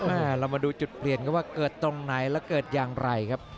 เรามาดูจุดเปลี่ยนกันว่าเกิดตรงไหนแล้วเกิดอย่างไรครับ